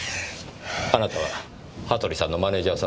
あなたは羽鳥さんのマネージャーさんですね。